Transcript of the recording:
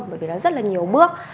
bởi vì nó rất là nhiều bước